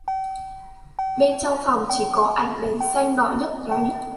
Bên trong phòng chỉ có ảnh đèn xanh đỏ nhấp nháy